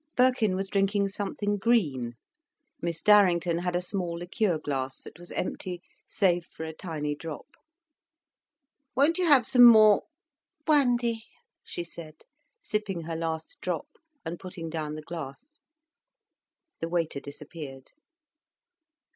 Birkin was drinking something green, Miss Darrington had a small liqueur glass that was empty save for a tiny drop. "Won't you have some more—?" "Brandy," she said, sipping her last drop and putting down the glass. The waiter disappeared.